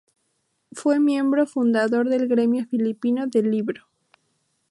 Fue miembro fundador del Gremio Filipino del Libro.